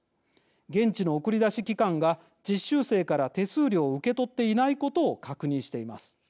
現地の送り出し機関が実習生から手数料を受け取っていないことを確認しています。